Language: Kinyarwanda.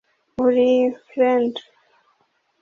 uri friendly